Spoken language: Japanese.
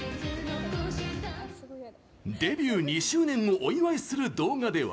デビュー２周年をお祝いする動画では。